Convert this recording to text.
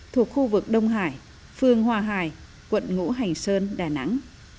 thuộc khu vực đông hải phương hòa hải quận ngũ hành sơn đà nẵng